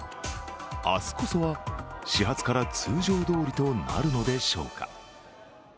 明日こそは始発から通常どおりとなるのでしょうか。